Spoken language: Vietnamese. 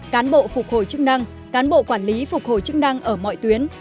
cán bộ phục hồi chức năng cán bộ quản lý phục hồi chức năng ở mọi tuyến